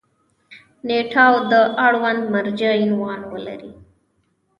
نیټه او د اړونده مرجع عنوان ولري.